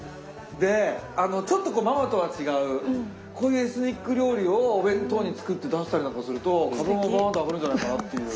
でちょっとママとは違うこういうエスニック料理をお弁当に作って出したりなんかすると株がワっと上がるんじゃないかなという。